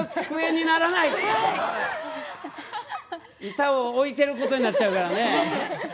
板を置いてることになっちゃうからね。